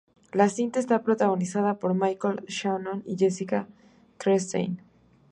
La cinta está protagonizada por Michael Shannon y Jessica Chastain.